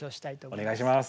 お願いします。